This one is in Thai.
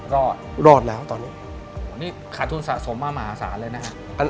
ก็รอดแล้วตอนนี้นี่ขาดทุนสะสมมามหาศาลเลยนะฮะ